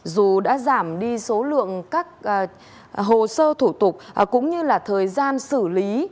dù đã giảm đi số lượng các hồ sơ thủ tục cũng như là thời gian xử lý